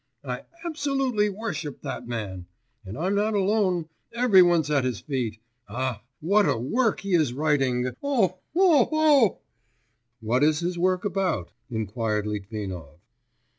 I absolutely worship that man! And I'm not alone, every one's at his feet! Ah, what a work he is writing, O O O!...' 'What is his work about?' inquired Litvinov.